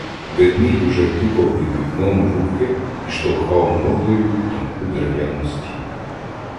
Ведмідь уже тупав під вікном рубки і штовхав мордою у тонку дерев'яну стінку.